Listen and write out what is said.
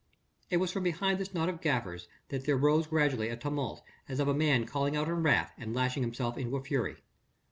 It was from behind this knot of gaffers that there rose gradually a tumult as of a man calling out in wrath and lashing himself into a fury.